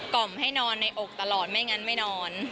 ล่อมให้นอนในอกตลอดไม่งั้นไม่นอน